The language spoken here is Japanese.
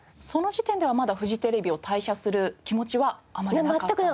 その時点ではまだフジテレビを退社する気持ちはあまりなかった？